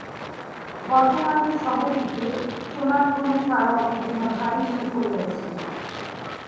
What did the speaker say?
বর্তমানে শহরটিতে সোনার খনি ছাড়াও বিভিন্ন ভারী শিল্প রয়েছে।